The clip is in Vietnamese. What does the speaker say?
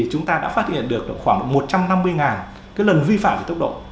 chúng ta đã phát hiện được khoảng một trăm năm mươi lần vi phạm về tốc độ